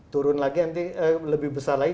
turun lagi nanti lebih besar lagi